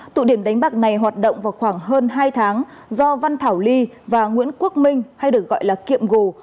tụ điểm đánh bạc này hoạt động vào khoảng hơn hai tháng do văn thảo ly và nguyễn quốc minh hay được gọi là kiệm gồ